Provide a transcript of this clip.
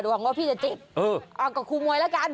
เดี๋ยวหวังว่าพี่จะจิบเอากับครูมวยละกัน